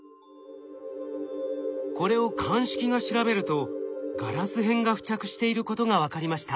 これを鑑識が調べるとガラス片が付着していることが分かりました。